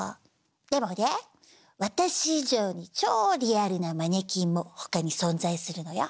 でもね私以上に超リアルなマネキンもほかに存在するのよ！